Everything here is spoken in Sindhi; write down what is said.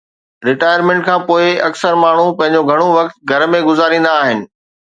ريٽائرمينٽ کان پوء، اڪثر ماڻهو پنهنجو گهڻو وقت گهر ۾ گذاريندا آهن